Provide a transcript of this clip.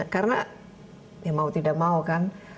karena mau tidak mau kan